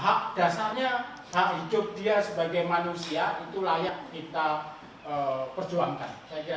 hak dasarnya hak hidup dia sebagai manusia itu layak kita perjuangkan